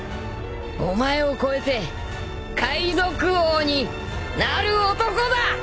お前を超えて海賊王になる男だ！